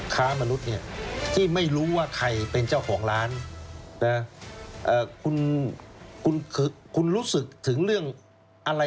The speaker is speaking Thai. ชุวิตตีแสดหน้า